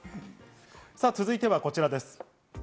続いてはこちらです。